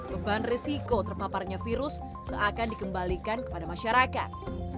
beban risiko terpaparnya virus seakan dikembalikan kepada masyarakat